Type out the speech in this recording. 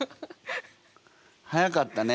早かったね。